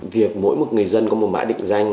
việc mỗi một người dân có một mã định danh